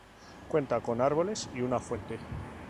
Cuenta con árboles y una fuente.